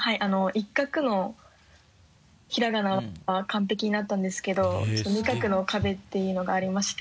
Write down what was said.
１画のひらがなは完璧になったんですけどちょっと２画の壁っていうのがありまして。